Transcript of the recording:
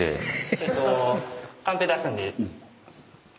えっとカンペ出すんで。